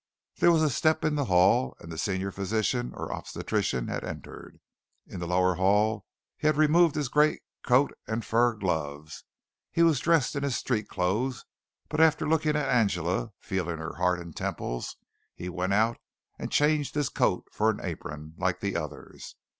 There was a step in the hall and the senior physician or obstetrician had entered. In the lower hall he had removed his great coat and fur gloves. He was dressed in his street clothes, but after looking at Angela, feeling her heart and temples, he went out and changed his coat for an apron, like the others.